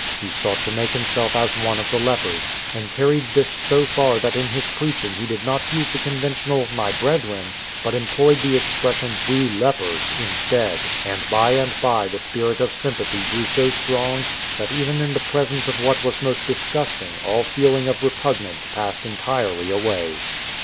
He sought to make himself as one of the lepers, and carried this so far that in his preaching he did not use the conven tional " My brethren,'*' but employed the expression " We 304 DOCTOR, UNDERTAKER, Etc. lepers *" instead. And by and by the spirit of sympathy grew so strong that even in the presence of what was most disgusting all feeling of repugnance passed entirely away.